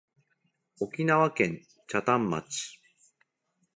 沖縄県北谷町